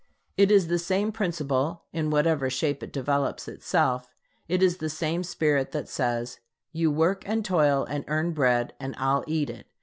It is the same principle, in whatever shape it develops itself. It is the same spirit that says, "You work and toil and earn bread, and I'll eat it."